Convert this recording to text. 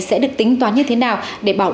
sẽ được tính toán như thế nào để bảo